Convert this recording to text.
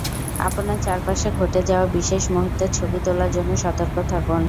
আপনার চারপাশে ঘটে যাওয়া বিশেষ মুহূর্তের ছবি তোলার জন্য সতর্ক থাকুন।